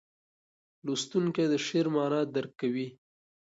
لوستونکی د شعر معنا درک کوي.